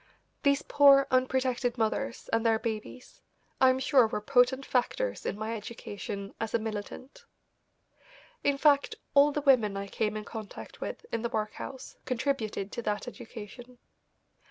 These poor, unprotected mothers and their babies I am sure were potent factors in my education as a militant. In fact, all the women I came in contact with in the workhouse contributed to that education.